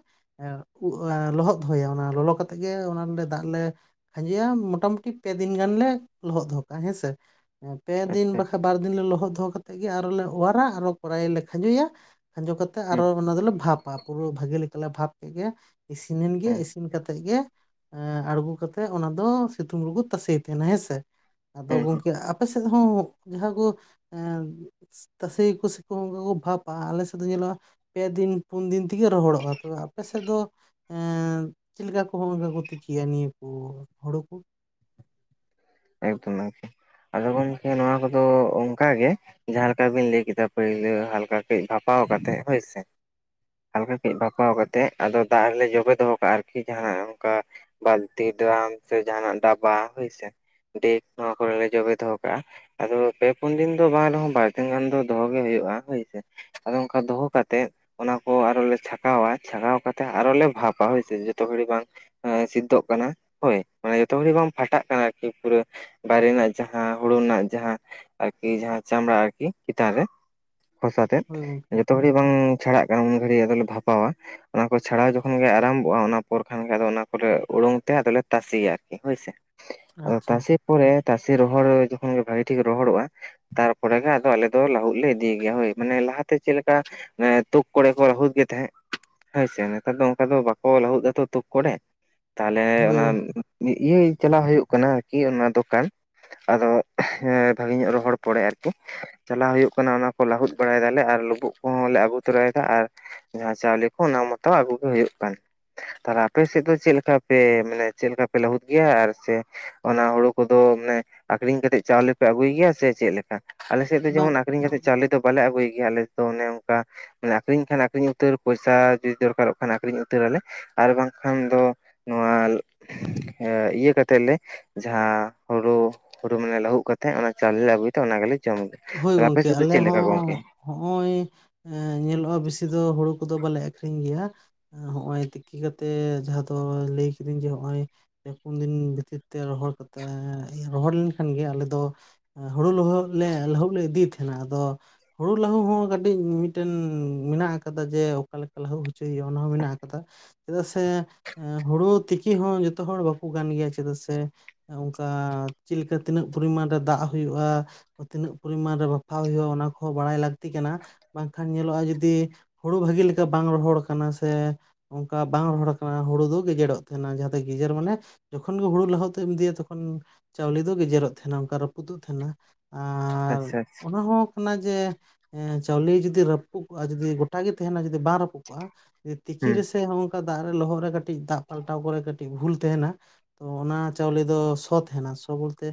ᱮᱸᱜ, ᱩᱜ ᱞᱚᱦᱚᱫ ᱦᱩᱭᱳᱜᱼᱟ, ᱚᱱᱟ ᱞᱚᱞᱚ ᱠᱟᱛᱮᱜ ᱜᱮ, ᱚᱱᱟ ᱞᱮ ᱫᱟᱜ ᱞᱮ ᱠᱷᱟᱸᱡᱩᱭᱟ, ᱢᱚᱴᱟ ᱢᱩᱴᱤ ᱯᱮ ᱫᱤᱱ ᱜᱟᱱ ᱞᱮ, ᱞᱚᱦᱚᱫ ᱫᱚᱦᱚ ᱠᱟᱜᱼᱟ ᱦᱮᱸᱥᱮ ᱾ ᱯᱮ ᱫᱤᱱ ᱟᱪᱪᱷᱟ ᱵᱟᱠᱷᱟᱱ, ᱵᱟᱨ ᱫᱤᱱ ᱞᱮ, ᱞᱚᱦᱚᱫ ᱫᱚᱦᱚ ᱠᱟᱛᱮᱫ ᱜᱮ, ᱟᱨᱚ ᱞᱮ ᱚᱣᱟᱨᱟ, ᱟᱨᱚ ᱠᱚᱨᱟᱭ ᱨᱮᱞᱮ ᱠᱷᱟᱸᱡᱚᱭᱟ ᱠᱷᱟᱸᱡᱚ ᱠᱟᱛᱮᱫ ᱦᱩᱸ ᱟᱨᱚ, ᱚᱱᱟ ᱫᱚᱞᱮ ᱵᱷᱟᱯᱼᱟ, ᱯᱩᱨᱟᱹ ᱵᱷᱟᱹᱜᱤ ᱞᱮᱠᱟ ᱞᱮ ᱵᱷᱟᱯ ᱠᱮᱫ ᱜᱮ ᱤᱥᱤᱱ ᱮᱱ ᱜᱮ, ᱦᱩᱸ ᱤᱥᱤᱱ ᱠᱟᱛᱮᱜ ᱜᱮ ᱟᱬᱜᱩ ᱠᱟᱛᱮᱜ, ᱚᱱᱟ ᱫᱚ ᱥᱤᱛᱩᱝ ᱨᱮᱜᱩ ᱛᱟᱥᱮᱭ ᱛᱟᱦᱮᱱᱟ ᱦᱮᱸᱥᱮ, ᱟᱫᱚ ᱦᱩᱸ ᱦᱩᱸ ᱜᱚᱢᱠᱮ ᱪᱮᱫ ᱦᱚᱸ, ᱡᱟᱦᱟᱸ ᱜᱳ, [unintelligible] ᱮᱸᱻ ᱛᱟᱥᱮ ᱭᱟᱠᱚ ᱥᱮᱠᱩ ᱚᱱᱠᱟ ᱠᱚ ᱵᱷᱟᱯᱼᱟ, ᱟᱞᱮ ᱥᱮᱫ ᱫᱚ ᱧᱮᱞᱚᱜᱼᱟ ᱯᱮ ᱫᱤᱱ, ᱯᱩᱱ ᱫᱤᱱ ᱛᱮᱜᱮ, ᱨᱚᱦᱚᱲᱚᱜᱼᱟ, ᱛᱚᱵᱮ ᱟᱯᱮ ᱥᱮᱫ ᱫᱚ ᱮᱸᱻ, ᱪᱮᱫ ᱞᱤᱠᱟ ᱠᱚ, ᱦᱩᱲᱩ ᱠᱚ ᱠᱚ ᱛᱤᱠᱤᱭᱟ, ᱱᱤᱭᱟᱹ ᱠᱩ ᱦᱳᱲᱳ ᱠᱚ ᱟᱭᱩᱵ ᱛᱮ ᱮᱱᱟᱝ, ᱟᱫᱚ ᱜᱚᱢᱠᱮ, ᱱᱚᱣᱟ ᱠᱚᱫᱚ ᱚᱱᱠᱟ ᱜᱮ ᱡᱟᱦᱟᱸ ᱞᱮᱠᱟ ᱵᱤᱱ, ᱞᱟᱹᱭ ᱠᱮᱫᱟ, ᱯᱳᱭᱞᱟᱹ ᱦᱟᱞᱠᱟ ᱠᱟᱹᱡ, ᱵᱷᱟᱯᱟᱣ ᱠᱟᱛᱮᱫ ᱦᱳᱭ ᱥᱮ ᱦᱟᱞᱠᱟ ᱠᱟᱹᱡ, ᱵᱷᱟᱠᱟᱣ ᱠᱟᱛᱮᱫ, ᱟᱫᱚ ᱫᱟᱜ ᱨᱮᱞᱮ ᱡᱚᱵᱮ ᱫᱚᱦᱚ ᱠᱟᱜᱼᱟ, ᱟᱨᱠᱤ ᱡᱟᱦᱟᱸᱱᱟᱜ ᱚᱱᱠᱟ ᱵᱟᱹᱞᱛᱤ, ᱰᱨᱟᱢ ᱥᱮ ᱡᱟᱦᱟᱸᱱᱟᱜ ᱰᱟᱵᱟ, ᱦᱳᱭ ᱥᱮ ᱰᱮᱠ, ᱱᱚᱣᱟ ᱠᱚᱨᱮ ᱞᱮ, ᱡᱚᱵᱮ ᱫᱚᱦᱚ ᱠᱟᱜᱼᱟ ᱾ ᱟᱫᱚ, ᱯᱮ ᱯᱩᱱ ᱫᱤᱱ ᱫᱚ, ᱵᱟᱝ ᱨᱮᱦᱚᱸ, ᱵᱟᱨ ᱫᱤᱱ ᱜᱟᱱ ᱫᱚ, ᱫᱚᱦᱚ ᱜᱮ ᱦᱳᱭᱳᱜᱼᱟ ᱾ ᱦᱳᱭ ᱥᱮ ᱟᱫᱚ, ᱚᱱᱠᱟ ᱫᱚᱦᱚ ᱠᱟᱛᱮᱫ, ᱚᱱᱟ ᱠᱚ, ᱟᱨᱚ ᱞᱮ ᱪᱷᱟᱸᱠᱟᱣᱟ,, ᱪᱷᱟᱠᱟᱣ ᱠᱟᱛᱮ, ᱟᱨᱚ ᱞᱮ ᱵᱷᱟᱯᱼᱟ ᱦᱳᱭ ᱥᱮ, ᱡᱚᱛᱚ ᱜᱷᱟᱹᱲᱤ ᱵᱟᱝ ᱥᱤᱫᱽᱫᱚᱜ ᱠᱟᱱᱟ, ᱦᱳᱭ ᱢᱟᱱᱮ ᱡᱚᱛᱚ ᱜᱷᱚᱲᱤ ᱵᱟᱝ ᱯᱷᱟᱴᱟᱜ ᱠᱟᱱᱟ, ᱟᱨᱠᱤ ᱯᱩᱨᱟᱹ ᱵᱟᱭᱨᱮ ᱨᱮᱱᱟᱜ, ᱡᱟᱦᱟᱸ ᱦᱳᱲᱳ ᱨᱮᱱᱟᱜ, ᱡᱟᱦᱟᱸ ᱟᱨᱠᱤ, ᱡᱟᱦᱟᱸ ᱪᱟᱢᱲᱟ, ᱟᱨᱠᱤ ᱪᱮᱛᱟᱱ ᱨᱮ ᱠᱷᱚᱥᱟ ᱛᱮᱫ, ᱦᱳᱭ ᱜᱚᱝᱠᱮ ᱡᱷᱚᱛᱚ ᱜᱷᱟᱹᱲᱤᱡ ᱵᱟᱝ ᱪᱷᱟᱲᱟᱜ ᱠᱟᱱᱟ, ᱩᱱ ᱜᱷᱟᱹᱲᱤᱡ ᱟᱫᱚᱞᱮ ᱵᱷᱟᱯᱟᱣᱟ ᱚᱱᱟ ᱠᱚ ᱪᱷᱟᱲᱟᱣ ᱡᱚᱠᱷᱚᱱ ᱜᱮ, ᱟᱨᱟᱢᱵᱷᱚᱜᱼᱟ, ᱚᱱᱟ ᱯᱚᱨ ᱠᱷᱟᱱ ᱜᱮ, ᱚᱱᱟ ᱠᱚᱞᱮ ᱳᱰᱳᱝ ᱛᱮ, ᱟᱫᱚ ᱞᱮ ᱛᱟᱥᱮᱭᱟ ᱟᱨᱠᱤ, ᱦᱳᱭ ᱥᱮ ᱟᱫᱚ, ᱟᱪᱪᱷᱟ ᱛᱟᱥᱮ ᱯᱚᱨᱮ, ᱛᱟᱥᱮ ᱨᱚᱦᱚᱲ ᱡᱚᱠᱷᱚᱱ ᱜᱮ, ᱵᱷᱟᱜᱤ ᱴᱷᱤᱠ ᱨᱚᱦᱚᱲᱚᱜᱼᱟ ᱛᱟᱨ ᱯᱚᱨᱮ ᱟᱫᱚ, ᱟᱞᱮ ᱫᱚ, ᱞᱟᱹᱦᱩᱫ ᱞᱮ, ᱤᱫᱤᱭ ᱜᱮᱭᱟ ᱾ ᱦᱳᱭ ᱢᱟᱱᱮ, ᱞᱟᱦᱟ ᱛᱮ ᱪᱮᱫ ᱞᱮᱠᱟ ᱛᱩᱠ ᱠᱚᱨᱮ ᱠᱚ, ᱞᱟᱹᱦᱩᱫ ᱜᱮ ᱛᱟᱦᱮᱸᱜ ᱦᱳᱭ ᱥᱮ, ᱱᱮᱛᱟᱨ ᱫᱚ ᱚᱱᱠᱟ ᱫᱚ, ᱵᱟᱠᱚ ᱞᱟᱹᱦᱩᱫ ᱫᱟᱛᱚ ᱛᱩᱠ ᱠᱚᱨᱮ ᱛᱟᱦᱚᱞᱮ, ᱦᱳᱭ ᱚᱱᱟ ᱜᱚᱝᱠᱮ ᱤᱭᱟᱹ ᱪᱟᱞᱟᱣ ᱦᱳᱭᱳᱜ ᱠᱟᱱᱟ, ᱟᱨᱠᱤ ᱚᱱᱟ ᱫᱚᱠᱟᱱ, ᱟᱫᱚ, ᱮᱜᱼᱦᱮᱢ, ᱵᱷᱟᱜᱤ ᱧᱚᱜ ᱨᱚᱦᱚᱲ ᱯᱚᱲᱮ, ᱟᱨᱠᱤ ᱪᱟᱞᱟᱣ ᱦᱳᱭᱳᱜ ᱠᱟᱱᱟ, ᱚᱱᱟ ᱠᱚ ᱞᱟᱹᱦᱩᱫ ᱵᱟᱲᱟᱭ ᱮᱫᱟ ᱞᱮ, ᱟᱨ ᱞᱳᱵᱳᱜ ᱠᱚᱦᱚᱸ ᱞᱮ, ᱟᱹᱜᱩ ᱛᱚᱨᱟ ᱭᱮᱫᱟ ᱟᱨ ᱡᱟᱦᱟᱸ ᱪᱟᱣᱞᱮ ᱠᱚ, ᱚᱱᱟ ᱢᱚᱛᱚ ᱟᱹᱜᱩ ᱜᱮ ᱦᱳᱭᱳᱜ ᱠᱟᱱ ᱾ ᱛᱟᱦᱞᱮ, ᱟᱯᱮ ᱥᱮᱫ ᱫᱚ, ᱪᱮᱫ ᱞᱮᱠᱟ ᱯᱮ, ᱢᱟᱱᱮ ᱪᱮᱫ ᱞᱮᱠᱟ ᱯᱮ, ᱞᱟᱹᱦᱩᱫ ᱜᱮᱭᱟ, ᱟᱨ ᱥᱮ, ᱚᱱᱟ ᱦᱳᱲᱳ ᱠᱚᱫᱚ, ᱢᱟᱱᱮ ᱟᱠᱷᱨᱤᱧ ᱠᱟᱛᱮᱜ, ᱪᱟᱣᱞᱮ ᱯᱮ ᱟᱹᱜᱩᱭ ᱜᱮᱭᱟ, ᱥᱮ ᱪᱮᱫ ᱞᱮᱠᱟ? ᱟᱞᱮ ᱥᱮᱫ ᱫᱚ, ᱵᱟᱝ ᱡᱮᱢᱚᱱ ᱟᱠᱷᱨᱤᱧ ᱠᱟᱛᱮᱫ ᱪᱟᱣᱞᱮ ᱫᱚ, ᱵᱟᱞᱮ ᱟᱹᱜᱩᱭ ᱜᱮᱭᱟ, ᱟᱞᱮ ᱫᱚ, ᱚᱱᱮ ᱚᱱᱠᱟ ᱢᱟᱱᱮ, ᱟᱠᱷᱨᱤᱧ ᱠᱷᱟᱱ ᱟᱹᱠᱷᱨᱤᱧ ᱩᱛᱟᱹᱨ, ᱯᱚᱭᱥᱟ ᱡᱩᱫᱤ ᱫᱚᱨᱠᱟᱨᱚᱜ ᱠᱷᱟᱱ ᱟᱹᱷᱨᱤᱧ ᱩᱛᱟᱹᱨ ᱟᱞᱮ ᱾ ᱟᱨ ᱵᱟᱝᱠᱷᱟᱱ ᱫᱚ, ᱱᱚᱣᱟ ᱟᱸᱻ ᱤᱭᱟᱹ ᱠᱟᱛᱮᱜ ᱞᱮ, ᱡᱟᱦᱟᱸ ᱦᱳᱨᱳ, ᱦᱳᱨᱳ ᱢᱟᱱ ᱞᱟᱹᱦᱩᱜ ᱠᱟᱛᱮᱜ, ᱚᱱᱟ ᱪᱟᱣᱞᱮ ᱞᱮ ᱟᱹᱜᱩ ᱛᱚ ᱚᱱᱟ ᱜᱮᱞᱮ ᱡᱚᱢ ᱦᱳᱭ ᱟᱯᱮ ᱜᱚᱝᱠᱮ ᱥᱮᱫ ᱫᱚ ᱟᱞᱮ ᱪᱮᱫ ᱞᱮᱠᱟ ᱜᱚᱝᱠᱮ? ᱦᱚᱸ ᱦᱚᱜᱼᱚᱭ ᱧᱮᱞᱚᱜᱼᱟ ᱵᱮᱥᱤ ᱫᱚ ᱦᱩᱲᱩ ᱠᱚᱫᱚ ᱵᱟᱞᱮ ᱟᱹᱠᱷᱨᱤᱧ ᱜᱮᱭᱟ? ᱦᱚᱸᱜᱼᱚᱭ ᱛᱤᱠᱤ ᱠᱟᱛᱮ ᱡᱟᱦᱟᱸ ᱫᱚ ᱞᱟᱹᱭ ᱠᱤᱫᱟᱹᱧ ᱡᱮ ᱱᱚᱜᱼᱚᱭ ᱯᱮ, ᱯᱩᱱ, ᱫᱤᱱ ᱵᱷᱤᱛᱤᱨ ᱛᱮ ᱨᱚᱦᱚᱲ ᱠᱟᱛᱮ ᱨᱚᱦᱚᱲ ᱞᱮᱱᱠᱷᱟᱱ ᱜᱮ ᱟᱞᱮ ᱫᱚ ᱦᱳᱲᱳ ᱞᱚᱦᱚᱫ ᱞᱮ ᱞᱟᱦᱩᱫ ᱞᱮ ᱤᱫᱤᱭᱮᱫ ᱛᱟᱦᱮᱸᱱᱟ ᱟᱫᱚ ᱦᱩᱲᱩ ᱞᱟᱹᱦᱩᱜ ᱦᱚᱸ ᱠᱟᱹᱴᱤᱡ ᱢᱤᱫᱴᱮᱱ ᱢᱮᱱᱟᱜ ᱟᱠᱟᱫᱟ ᱡᱮ ᱚᱠᱟ ᱞᱮᱠᱟ ᱞᱟᱹᱦᱩᱜ ᱦᱚᱪᱚᱭ ᱦᱩᱭᱩᱜᱼᱟ ᱚᱱᱟ ᱦᱚᱸ ᱢᱮᱱᱟᱜ ᱟᱠᱟᱫᱟ᱾ ᱪᱮᱫᱟᱜ ᱥᱮ ᱦᱳᱲᱳ ᱛᱤᱠᱤ ᱦᱚᱸ ᱡᱚᱛᱚ ᱦᱚᱲ ᱵᱟᱠᱚ ᱜᱟᱱ ᱜᱮᱭᱟ ᱪᱮᱫᱟᱜ ᱥᱮ ᱚᱱᱠᱟ ᱪᱮᱫ ᱞᱮᱠᱟ ᱛᱤᱱᱟᱹᱜ ᱯᱚᱨᱤᱢᱟᱱ ᱨᱮ ᱫᱟᱜ ᱦᱩᱭᱩᱜᱼᱟ? ᱛᱤᱱᱟᱹᱜ ᱯᱚᱨᱤᱢᱟᱱ ᱨᱮ ᱵᱟᱯᱷᱟᱣ ᱦᱩᱭᱩᱜᱼᱟ ᱚᱱᱟ ᱠᱚᱦᱚᱸ ᱵᱟᱲᱟᱭ ᱞᱟᱹᱠᱛᱤ ᱠᱟᱱᱟ᱾ ᱵᱟᱝᱠᱷᱟᱱ ᱧᱮᱞᱚᱜᱼᱟ ᱡᱩᱫᱤ ᱦᱩᱲᱩ ᱵᱷᱟᱹᱜᱤ ᱞᱮᱠᱟ ᱵᱟᱝ ᱨᱚᱦᱚᱲ ᱠᱟᱱᱟ ᱥᱮ ᱚᱱᱠᱟ ᱵᱟᱝ ᱨᱚᱦᱚᱲ ᱠᱟᱱᱟ ᱦᱩᱲᱩ ᱫᱚ ᱜᱮᱡᱮᱨᱚᱜ ᱛᱟᱦᱮᱱᱟ ᱡᱟᱦᱟᱸᱛᱮ ᱜᱮᱡᱮᱨ ᱢᱟᱱᱮ ᱡᱚᱠᱷᱚᱱ ᱜᱮ ᱦᱩᱲᱩ ᱞᱟᱦᱩᱫ ᱛᱮᱢ ᱤᱫᱤᱭᱟ ᱛᱚᱠᱷᱚᱱ ᱪᱟᱣᱞᱮ ᱫᱚ ᱜᱮᱡᱮᱨᱚᱜ ᱛᱟᱦᱮᱱᱟ ᱚᱱᱠᱟ ᱨᱟᱹᱯᱩᱫᱚᱜ ᱛᱟᱦᱮᱱᱟ᱾ ᱟᱨ ᱟᱪᱪᱷᱟ ᱟᱪᱪᱷᱟ ᱚᱱᱟ ᱦᱚᱸ ᱠᱟᱱᱟ ᱡᱮ ᱮ ᱪᱟᱣᱞᱮ ᱡᱩᱫᱤ ᱨᱟᱹᱯᱩᱫ ᱡᱩᱫᱤ ᱜᱚᱴᱟ ᱜᱮ ᱛᱟᱦᱮᱱᱟ ᱡᱩᱫᱤ ᱵᱟᱝ ᱨᱟᱹᱯᱩᱫ ᱠᱚᱜᱼᱟ ᱛᱤᱠᱤ ᱦᱩᱸ ᱨᱮᱥᱮ ᱱᱚᱝᱠᱟ ᱫᱟᱜ ᱨᱮ ᱞᱚᱦᱚᱫ ᱨᱮ ᱠᱟᱹᱴᱤᱡ ᱫᱟᱜ ᱯᱟᱞᱴᱟᱣ ᱠᱚᱨᱮ ᱠᱟᱹᱴᱤᱡ ᱵᱷᱩᱞ ᱛᱟᱦᱮᱱᱟ᱾ ᱛᱚ ᱚᱱᱟ ᱪᱟᱣᱞᱮ ᱫᱚ ᱥᱚᱛ ᱛᱟᱦᱮᱱᱟ ᱥᱚ ᱵᱚᱞᱛᱮ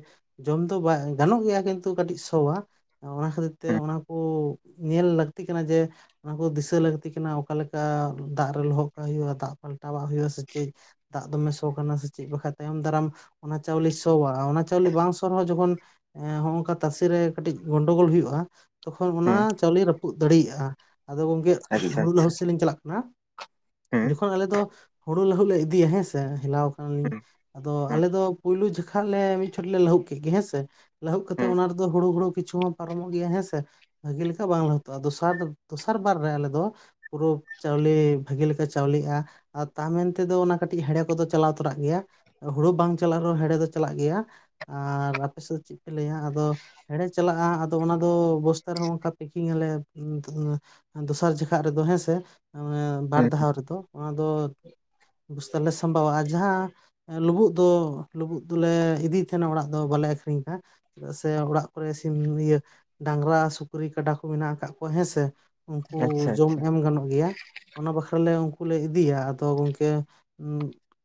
ᱡᱚᱢ ᱫᱚ ᱜᱟᱱᱚᱜ ᱜᱮᱭᱟ ᱠᱤᱱᱛᱩ ᱛᱩ ᱠᱟᱹᱴᱤᱡ ᱥᱚᱣ-ᱟ ᱚᱱᱟ ᱠᱷᱟᱹᱛᱤᱨ ᱛᱮ ᱦᱩᱸ ᱚᱱᱟ ᱠᱚ ᱧᱮᱞ ᱞᱟᱹᱠᱛᱤ ᱠᱟᱱᱟ ᱡᱮ ᱚᱱᱟ ᱠᱚ ᱫᱤᱥᱟᱹ ᱞᱟᱹᱠᱛᱤ ᱠᱟᱱᱟ ᱚᱠᱟᱞᱮᱠᱟ ᱫᱟᱜ ᱨᱮ ᱞᱚᱦᱚᱫ ᱠᱟᱜ ᱦᱩᱭᱩᱜᱼᱟ ᱫᱟᱜ ᱯᱟᱞᱴᱟᱣᱟᱜ ᱦᱩᱭᱩᱜᱼᱟ ᱥᱮ ᱪᱮᱫ ᱫᱟᱜ ᱫᱚᱢᱮ ᱥᱚ ᱠᱟᱱᱟ ᱥᱮ ᱪᱮᱫ ᱵᱟᱠᱷᱟᱱ ᱛᱟᱭᱚᱢ ᱫᱟᱨᱟᱢ ᱚᱱᱟ ᱪᱟᱣᱞᱮ ᱥᱚᱣᱼᱟ ᱚᱱᱟ ᱪᱟᱣᱞᱮ ᱵᱟᱝ ᱥᱚ ᱨᱮᱦᱚᱸ ᱡᱚᱠᱷᱚᱱ ᱚᱝᱠᱟ ᱛᱟᱥᱮ ᱨᱮ ᱠᱟᱹᱴᱤᱡ ᱜᱚᱱᱰᱚᱜᱳᱞ ᱦᱩᱭᱩᱜᱼᱟ ᱛᱚᱠᱷᱚᱱ ᱚᱱᱟ ᱦᱩᱸ ᱪᱟᱣᱞᱮ ᱨᱟᱹᱯᱩᱫ ᱫᱟᱲᱮᱭᱟᱜᱼᱟ ᱟᱫᱚ ᱜᱚᱝᱠᱮ ᱟᱪᱪᱷᱟ ᱦᱩᱲᱩ ᱟᱪᱪᱷᱟ ᱞᱚᱦᱩ ᱥᱮᱫ ᱞᱤᱧ ᱪᱟᱞᱟᱜ ᱠᱟᱱᱟ ᱦᱩᱸ ᱡᱚᱠᱷᱚᱱ ᱟᱞᱮ ᱫᱚ ᱦᱩᱲᱩ ᱞᱟᱹᱦᱩᱫ ᱞᱮ ᱤᱫᱤᱭᱟ ᱦᱮᱸᱥᱮ ᱦᱮᱞᱟᱣ ᱠᱟᱱᱟᱞᱤᱧ ᱦᱩᱸ ᱟᱫᱚ ᱦᱩᱸ ᱟᱞᱮ ᱫᱚ ᱯᱳᱭᱞᱩ ᱡᱚᱠᱷᱟ ᱞᱮ ᱢᱤᱫ ᱪᱷᱚᱴ ᱞᱮ ᱞᱟᱹᱦᱩᱫ ᱠᱮᱫ ᱜᱮ ᱦᱮᱸ ᱥᱮ ᱞᱟᱹᱦᱩ ᱠᱟᱛᱮ ᱛᱟᱣ ᱦᱩᱸ ᱚᱱᱟ ᱨᱮᱫᱚ ᱦᱩᱲᱩ ᱦᱩᱲᱩ ᱠᱤᱪᱩ ᱯᱟᱨᱚᱢᱚᱜ ᱜᱮᱭᱟ ᱦᱮᱸ ᱥᱮ ᱵᱷᱟᱹᱜᱤ ᱞᱮᱠᱟ ᱵᱟᱝ ᱞᱟᱹᱦᱩᱫᱚᱜᱼᱟ ᱫᱚᱥᱟᱨ ᱫᱚᱥᱟᱨ ᱵᱟᱨ ᱨᱮ ᱟᱞᱮ ᱫᱚ ᱯᱩᱨᱟᱹ ᱪᱟᱣᱞᱮ ᱵᱷᱟᱹᱜᱤ ᱞᱮᱠᱟ ᱪᱟᱣᱞᱮᱜᱼᱟ᱾ ᱟᱨ ᱛᱟ ᱢᱮᱱ ᱛᱮᱫᱚ ᱚᱱᱟ ᱠᱟᱹᱴᱤᱡ ᱦᱮᱲᱮ ᱠᱚᱫᱚ ᱪᱟᱞᱟᱣ ᱛᱚᱨᱟᱜ ᱜᱮᱭᱟ᱾ ᱦᱩᱲᱩ ᱵᱟᱝ ᱪᱟᱞᱟᱜ ᱨᱮᱦᱚᱸ ᱦᱮᱲᱮ ᱫᱚ ᱪᱟᱞᱟᱜ ᱜᱮᱭᱟ ᱟᱨ ᱟᱯᱮ ᱥᱮᱫ ᱫᱚ ᱪᱮᱫ ᱯᱮ ᱞᱟᱹᱭᱟ? ᱟᱫᱚ ᱦᱮᱲᱮ ᱪᱟᱞᱟᱜᱼᱟ ᱟᱫᱚ ᱚᱱᱟ ᱫᱚ ᱵᱚᱥᱛᱟ ᱨᱮᱦᱚᱸ ᱚᱱᱠᱟ ᱯᱮᱠᱤᱝ ᱟᱞᱮ ᱫᱚᱥᱟᱨ ᱡᱚᱠᱚᱡ ᱨᱮᱫᱚ ᱦᱮᱸᱥᱮ ᱵᱟᱨ ᱦᱩᱸ ᱫᱷᱟᱣ ᱨᱮᱫᱚ ᱚᱱᱟ ᱫᱚ ᱵᱚᱥᱛᱟ ᱞᱮ ᱥᱟᱢᱵᱟᱣᱟ ᱟ ᱡᱟᱦᱟᱸ ᱞᱩᱵᱩᱜ ᱫᱚ ᱞᱩᱵᱩᱜ ᱫᱚᱞᱮ ᱤᱫᱤᱭ ᱛᱟᱦᱮᱸᱱᱟ ᱚᱲᱟᱜ ᱫᱚ ᱵᱟᱞᱮ ᱟᱹᱠᱷᱨᱤᱧ ᱠᱟᱜ᱾ ᱪᱮᱫᱟᱜ ᱥᱮ ᱚᱲᱟᱜ ᱠᱚᱨᱮ ᱥᱤᱢ ᱰᱟᱝᱨᱟ ᱥᱩᱠᱨᱤ ᱠᱟᱰᱟ ᱠᱚ ᱢᱮᱱᱟᱜ ᱟᱠᱟᱫ ᱠᱚᱣᱟ ᱦᱮᱸᱥᱮ᱾ ᱩᱱᱠᱩ ᱟᱪᱪᱷᱟ ᱡᱚᱢ ᱟᱪᱪᱷᱟ ᱮᱢ ᱜᱟᱱᱚᱜ ᱜᱮᱭᱟ᱾ ᱚᱱᱟ ᱵᱟᱠᱷᱨᱟ ᱞᱮ ᱩᱱᱠᱩ ᱞᱮ ᱤᱫᱤᱭᱟ ᱟᱫᱚ ᱜᱚᱝᱠᱮ ᱚᱸ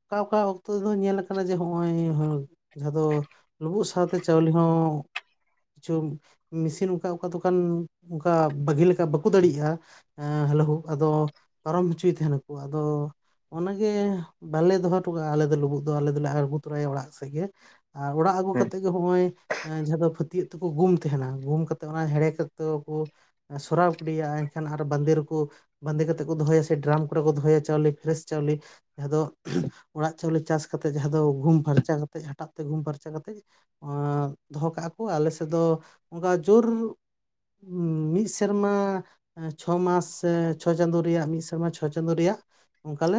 ᱚᱠᱟ ᱚᱠᱟ ᱚᱠᱛᱚ ᱫᱚ ᱧᱮᱞ ᱟᱠᱟᱱᱟ ᱡᱮ ᱱᱚᱜ ᱚᱭ ᱡᱟᱦᱟᱸ ᱫᱚ ᱞᱩᱵᱩᱜ ᱥᱟᱶᱛᱮ ᱪᱟᱣᱞᱮ ᱦᱚᱸ ᱠᱤᱪᱷᱩ ᱢᱮᱥᱤᱱ ᱚᱱᱠᱟ ᱚᱠᱟ ᱫᱚᱠᱟᱱ ᱚᱱᱠᱟ ᱵᱷᱟᱹᱜᱤ ᱞᱮᱠᱟ ᱵᱟᱠᱚ ᱫᱟᱲᱮᱭᱟᱜᱼᱟ᱾ ᱦᱮᱸ ᱦᱮᱞᱳ ᱦᱳᱠ ᱟᱫᱚ ᱯᱟᱨᱚᱢ ᱦᱚᱪᱚᱭᱮᱫ ᱛᱟᱦᱮᱱᱟᱠᱚ ᱟᱫᱚ ᱚᱱᱟᱜᱮ ᱵᱟᱞᱮ ᱫᱚᱦᱚ ᱦᱚᱴᱚ ᱠᱟᱜᱼᱟ ᱟᱞᱮ ᱫᱚ ᱞᱩᱵᱩᱜ ᱫᱚ ᱟᱞᱮ ᱫᱚᱞᱮ ᱟᱬᱜᱩ ᱛᱚᱨᱟᱭᱟ ᱚᱲᱟᱜ ᱥᱮᱫ ᱜᱮ ᱟᱨ ᱚᱲᱟᱜ ᱟᱹᱜᱩ ᱠᱟ ᱦᱩᱸ ᱠᱟᱛᱮᱫ ᱜᱮ ᱦᱚᱸᱜᱼᱚᱭ, ᱡᱟᱦᱟᱸ ᱫᱚ ᱯᱷᱟᱹᱛᱭᱟᱹᱜ ᱛᱮᱠᱚ ᱜᱩᱢ ᱛᱟᱦᱮᱱᱟ ᱜᱩᱢ ᱠᱟᱛᱮᱜ ᱚᱱᱟ ᱦᱮᱲᱮ ᱠᱟᱛᱮᱫ ᱠᱚ ᱥᱚᱨᱟᱣ ᱠᱮᱫᱤᱭᱟ ᱮᱱᱠᱷᱟᱱ ᱟᱨ ᱵᱟᱸᱫᱮ ᱨᱮᱠᱚ ᱵᱟᱸᱫᱮ ᱠᱟᱛᱮᱫ ᱠᱚ ᱫᱚᱦᱚᱭᱟ ᱥᱮ ᱰᱨᱟᱢ ᱠᱚᱨᱮ ᱠᱚ ᱫᱚᱦᱚᱭᱟ ᱪᱟᱣᱞᱮ ᱯᱷᱨᱮᱥ ᱪᱟᱣᱞᱮ ᱡᱟᱦᱟᱸ ᱫᱚ ᱚᱲᱟᱜ ᱪᱟᱣᱞᱮ ᱪᱟᱥ ᱠᱟᱛᱮᱜ ᱡᱟᱦᱟᱸ ᱫᱚ ᱜᱩᱢ ᱯᱷᱟᱨᱪᱟ ᱠᱟᱛᱮᱜ ᱦᱟᱴᱟᱜ ᱛᱮ ᱜᱩᱢ ᱯᱷᱟᱨᱪᱟ ᱠᱟᱛᱮᱜ ᱮ ᱫᱚᱦᱚ ᱠᱟᱜᱼᱟ ᱠᱚ ᱟᱞᱮ ᱥᱮᱫ ᱫᱚ ᱚᱱᱠᱟ ᱡᱳᱨ ᱚᱸᱻ ᱢᱤᱫ ᱥᱮᱨᱢᱟ ᱪᱷᱚ ᱢᱟᱥ ᱥᱮ ᱪᱷᱚ ᱪᱟᱸᱫᱳ ᱨᱮᱭᱟᱜ ᱢᱤᱫ ᱥᱮᱨᱢᱟ ᱪᱷᱚ ᱪᱟᱸᱫᱳ ᱨᱮᱭᱟᱜ ᱚᱱᱠᱟ ᱞᱮ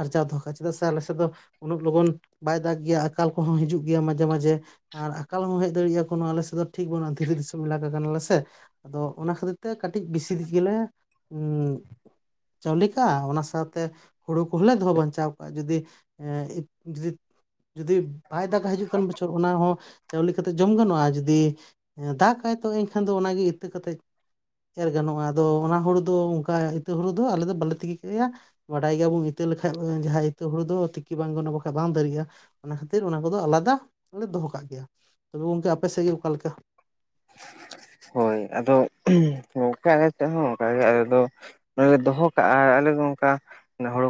ᱟᱨᱡᱟᱣ ᱫᱚᱦᱚ ᱠᱟᱜᱼᱟ ᱪᱮᱫᱟᱜ ᱥᱮ ᱟᱞᱮ ᱥᱮᱫ ᱫᱚ ᱩᱱᱟᱹᱜ ᱞᱚᱜᱚᱱ ᱵᱟᱭ ᱫᱟᱜᱽ ᱜᱮᱭᱟ ᱾ ᱟᱠᱟᱞ ᱠᱚᱦᱚᱸ ᱦᱤᱡᱩᱜ ᱜᱮᱭᱟ ᱢᱟᱡᱷᱮ ᱢᱟᱡᱷᱮ ᱟᱨ ᱟᱠᱟᱞ ᱦᱚᱸ ᱦᱮᱡ ᱫᱟᱲᱮᱭᱟᱜᱼᱟ ᱠᱳᱱᱳ ᱟᱞᱮ ᱥᱮᱫ ᱫᱚ ᱴᱷᱤᱠ ᱵᱟᱹᱱᱩᱜᱼᱟ ᱾ ᱫᱷᱤᱨᱤ ᱫᱤᱥᱚᱢ ᱮᱞᱟᱠᱟ ᱠᱟᱱᱟᱞᱮ ᱥᱮ ᱾ ᱟᱫᱚ ᱚᱱᱟ ᱠᱷᱟᱹᱛᱤᱨ ᱛᱮ ᱠᱟᱹᱴᱤᱡ ᱵᱮᱥᱤ [unintelligible] ᱜᱮᱞᱮ ᱩᱸᱻ ᱪᱟᱣᱞᱮ ᱠᱟᱜᱼᱟ ᱚᱱᱟ ᱥᱟᱶᱛᱮ ᱦᱩᱲᱩ ᱠᱚᱦᱚᱸ ᱞᱮ ᱫᱚᱦᱚ ᱵᱟᱧᱪᱟᱣ ᱠᱟᱜᱼᱟ, ᱡᱩᱫᱤ ᱮ ᱡᱩᱫᱤ ᱡᱩᱫᱤ ᱵᱟᱭ ᱫᱟᱜᱟ ᱦᱤᱡᱩᱜ ᱠᱟᱱ ᱵᱚᱪᱷᱚᱨ ᱚᱱᱟ ᱦᱚᱸ ᱪᱟᱣᱞᱮ ᱠᱟᱛᱮᱫ ᱡᱚᱢ ᱜᱟᱱᱚᱜᱼᱟ ᱾ ᱡᱩᱫᱤ ᱫᱟᱜᱟᱭ ᱛᱚ ᱮᱱᱠᱷᱟᱱ ᱫᱚ ᱚᱱᱟᱜᱮ ᱤᱛᱟᱹ ᱠᱟᱛᱮᱫ ᱮᱨ ᱜᱟᱱᱚᱜᱼᱟ ᱾ ᱟᱫᱚ ᱚᱱᱟ ᱦᱩᱲᱩ ᱫᱚ ᱚᱱᱠᱟ ᱤᱛᱟᱹ ᱦᱩᱲᱩ ᱫᱚ ᱟᱞᱮ ᱫᱚ ᱵᱟᱞᱮ ᱛᱤᱠᱤ ᱠᱮᱭᱟ ᱾ ᱵᱟᱰᱟᱭ ᱜᱮᱭᱟ ᱵᱚᱱ ᱤᱛᱟᱹ ᱞᱮᱠᱷᱟᱡ ᱡᱟᱦᱟᱸ ᱤᱛᱟᱹ ᱦᱩᱲᱩ ᱫᱚ ᱛᱤᱠᱤ ᱵᱟᱝ ᱜᱟᱱᱚᱜᱼᱟ ᱵᱟᱠᱷᱟᱡ ᱵᱟᱝ ᱫᱟᱨᱮᱜᱼᱟ ᱾ ᱚᱱᱟ ᱠᱷᱟᱹᱛᱤᱨ ᱚᱱᱟ ᱠᱚᱫᱚ ᱟᱞᱟᱫᱟ ᱞᱮ ᱫᱚᱦᱚ ᱠᱟᱜ ᱜᱮᱭᱟ ᱾ ᱛᱚᱵᱮ ᱜᱚᱝᱠᱮ ᱟᱯᱮ ᱥᱮᱫ ᱜᱮ ᱚᱠᱟ ᱞᱮᱠᱟ? ᱦᱳᱭ ᱟᱫᱚ ᱜᱚᱝᱠᱮ ᱟᱞᱮ ᱥᱮᱫ ᱦᱚᱸ ᱚᱱᱠᱟ ᱜᱮ ᱾ ᱟᱞᱮ ᱫᱚ ᱚᱱᱮ ᱞᱮ ᱫᱚᱦᱚ ᱠᱟᱜᱼᱟ ᱟᱨ ᱟᱞᱮ ᱫᱚ ᱚᱱᱠᱟ ᱦᱚᱲᱚ